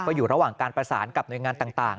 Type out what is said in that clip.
อยู่ระหว่างการประสานกับหน่วยงานต่าง